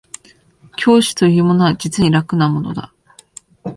教師というものは実に楽なものだ